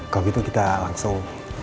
kalau gitu kita langsung